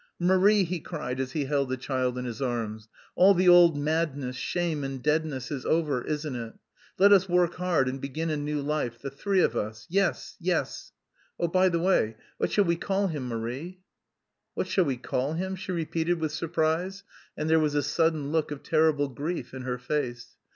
"Marie," he cried, as he held the child in his arms, "all the old madness, shame, and deadness is over, isn't it? Let us work hard and begin a new life, the three of us, yes, yes!... Oh, by the way, what shall we call him, Marie?" "What shall we call him?" she repeated with surprise, and there was a sudden look of terrible grief in her face.